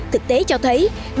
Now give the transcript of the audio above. thực tế cho thấy